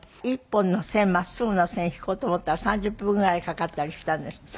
１本の線真っすぐの線引こうと思ったら３０分ぐらいかかったりしたんですって？